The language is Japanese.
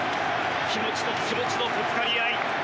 気持ちと気持ちのぶつかり合い。